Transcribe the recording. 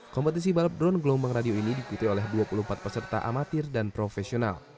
kompetisi balap drone gelombang radio ini diikuti oleh dua puluh empat peserta amatir dan profesional